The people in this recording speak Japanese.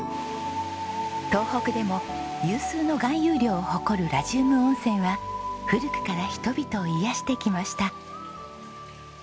東北でも有数の含有量を誇るラジウム温泉は古くから人々を癒やしてきました。